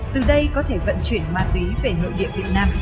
từ đây có thể vận chuyển ma túy về nội địa việt nam